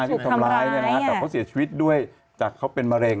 ที่ทำร้ายเนี่ยนะฮะแต่เขาเสียชีวิตด้วยจากเขาเป็นมะเร็ง